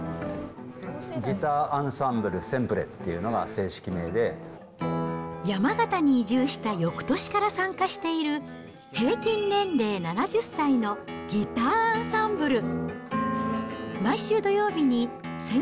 ギターアンサンブル、山形に移住したよくとしから参加している、平均年齢７０歳のギターアンサンブル。